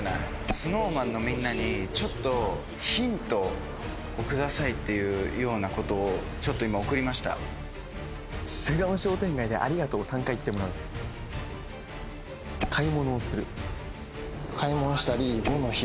ＳｎｏｗＭａｎのみんなにちょっとヒントをくださいっていうようなことをちょっと今送りました巣鴨商店街で「ありがとう」を３回言ってもらうそうっすね